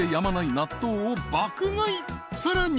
［さらに］